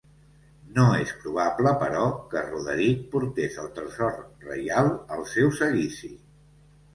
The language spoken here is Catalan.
No és probable, però, que Roderic portés el tresor reial al seu seguici.